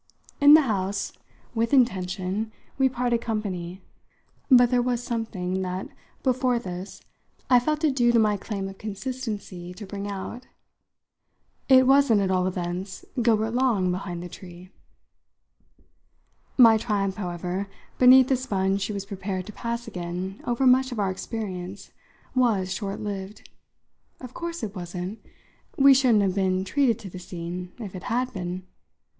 In the house, with intention, we parted company; but there was something that, before this, I felt it due to my claim of consistency to bring out. "It wasn't, at all events, Gilbert Long behind the tree!" My triumph, however, beneath the sponge she was prepared to pass again over much of our experience, was short lived. "Of course it wasn't. We shouldn't have been treated to the scene if it had been.